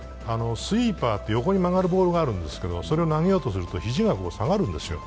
スイーパーって横に曲がるボールがあるんですけど、それを投げようとすると肘が下がるんですよ。